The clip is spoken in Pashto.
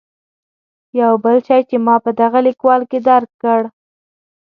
یو بل شی چې ما په دغه لیکوال کې درک کړ.